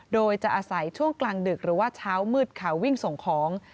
โดยจะอาศัยช่วงกลางดึกหรือว่าเช้ามืดค่ะวิ่งส่งของ